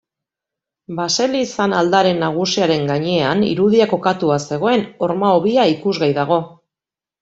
Baselizan aldare nagusiaren gainean irudia kokatua zegoen horma-hobia ikusgai dago.